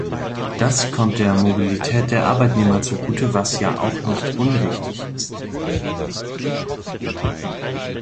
Das kommt der Mobilität der Arbeitnehmer zugute, was ja auch nicht unwichtig ist.